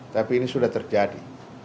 tapi ini sudah terjadi